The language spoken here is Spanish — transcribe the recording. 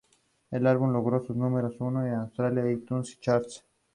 El álbum logró ser número uno en el Australian iTunes charts.